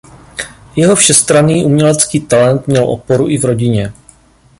Jeho všestranný umělecký talent měl oporu i v rodině.